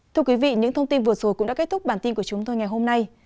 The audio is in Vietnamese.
thưa quý vị những thông tin vừa rồi cũng đã kết thúc bản tin của chúng tôi ngày hôm nay